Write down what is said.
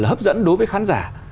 hấp dẫn đối với khán giả